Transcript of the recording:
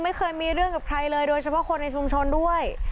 ไม่เคยมีเรื่องกับใครเลยโดยเฉพาะคนในชุมชนด้วย